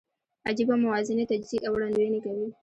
عجېبه موازنې، تجزیې او وړاندوینې کوي.